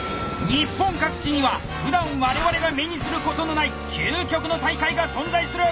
日本各地にはふだん我々が目にすることのない究極の大会が存在する。